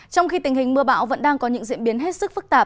trong khi tình hình mưa bão vẫn đang có những diễn biến hết sức phức tạp